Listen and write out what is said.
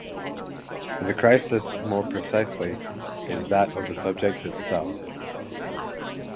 The crisis, more precisely, is that of the subject itself.